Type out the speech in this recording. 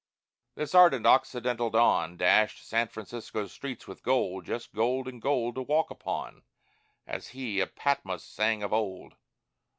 This ardent, Occidental dawn Dashed San Francisco's streets with gold, Just gold and gold to walk upon, As he of Patmos sang of old.